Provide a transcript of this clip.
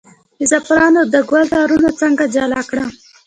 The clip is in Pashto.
د زعفرانو د ګل تارونه څنګه جلا کړم؟